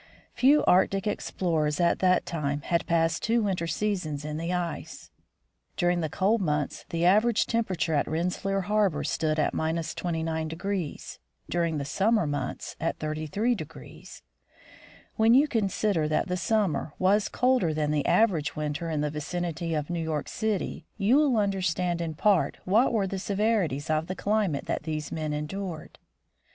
Few Arctic explorers at that time had passed two winter seasons in the ice. During the cold months the average temperature at Rensselaer harbor stood at — 29 , during the summer months at 33 . When you consider that the summer was colder than the average winter in the vicinity of New York City, you will understand in part what were the severities of the climate that these men endured.